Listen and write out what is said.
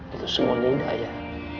itu semuanya hidayah